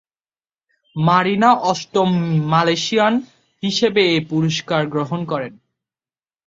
Marina অষ্টম Malaysian হিসেবে এই পুরস্কার গ্রহণ করেন।